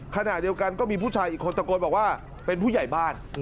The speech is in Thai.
ขณะเดียวกันก็มีผู้ชายอีกคนตะโกนบอกว่าเป็นผู้ใหญ่บ้าน